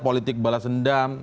politik balas dendam